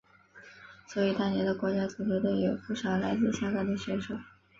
所以当年的国家足球队有不少来自香港的选手。